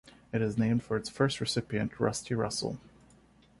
It is named for its first recipient, Rusty Russell.